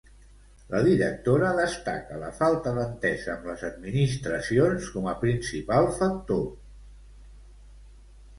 La directora destaca la falta d'entesa amb les administracions com a principal factor.